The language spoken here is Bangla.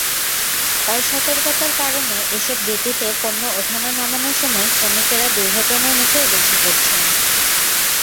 অসতর্কতার কারণে এসব জেটিতে পণ্য ওঠানো-নামানোর সময় শ্রমিকেরা দুর্ঘটনার মুখেও বেশি পড়ছেন।